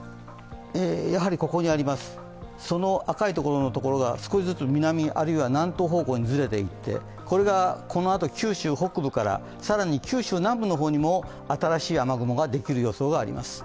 ここにあります、その赤いところが少しずつ南、あるいは南東方向にずれていってこれがこのあと九州北部から、更に九州南部の方にも新しい雨雲ができる予想があります。